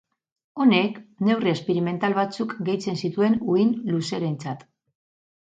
Honek neurri esperimental batzuk gehitzen zituen uhin luzerentzat.